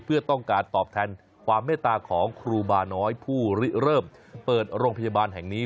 เพื่อต้องการตอบแทนความเมตตาของครูบาน้อยผู้ริเริ่มเปิดโรงพยาบาลแห่งนี้